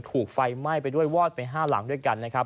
ถูกไฟไหม้ไปด้วยวอดไป๕หลังด้วยกันนะครับ